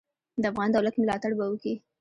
د افغان دولت ملاتړ به وکي.